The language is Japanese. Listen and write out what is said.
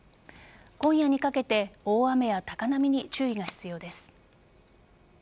今夜にかけて大雨や高波に注意が必要です。